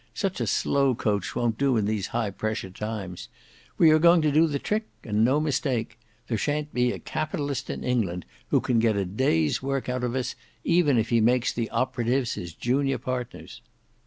"Such a slow coach won't do in these high pressure times. We are going to do the trick and no mistake. There shan't be a capitalist in England who can get a day's work out of us, even if he makes the operatives his junior partners."